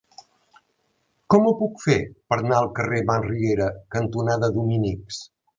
Com ho puc fer per anar al carrer Masriera cantonada Dominics?